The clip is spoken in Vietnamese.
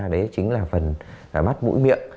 đấy chính là phần mắt mũi miệng